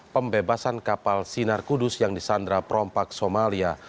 pembebasan kapal sinar kudus yang disandra perompak somalia